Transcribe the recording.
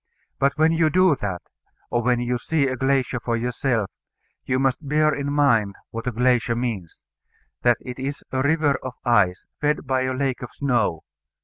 But when you do that, or when you see a glacier for yourself, you must bear in mind what a glacier means that it is a river of ice, fed by a lake of snow.